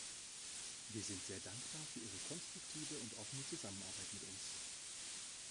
Wir sind sehr dankbar für ihre konstruktive und offene Zusammenarbeit mit uns.